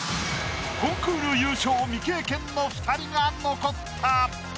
コンクール優勝未経験の２人が残った。